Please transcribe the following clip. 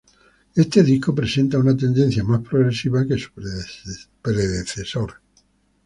Este disco presenta una tendencia más progresiva que su predecesor.